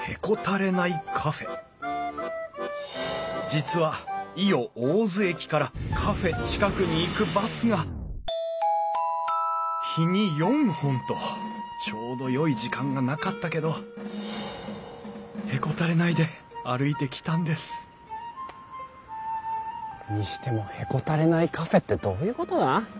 実は伊予大洲駅からカフェ近くに行くバスが日に４本とちょうどよい時間がなかったけどへこたれないで歩いてきたんですにしても「へこたれないカフェ」ってどういうことだ？